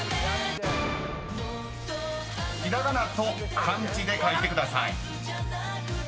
［ひらがなと漢字で書いてください］